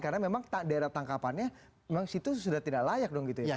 karena memang daerah tangkapannya memang itu sudah tidak layak dong gitu ya pak